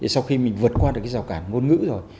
sau khi mình vượt qua được cái rào cản ngôn ngữ rồi